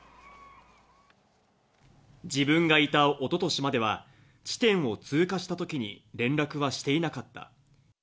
自分がいたおととしまでは、地点を通過したときに連絡はしていなかった。